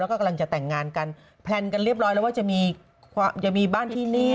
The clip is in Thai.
แล้วก็กำลังจะแต่งงานกันแพลนกันเรียบร้อยแล้วว่าจะมีบ้านที่นี่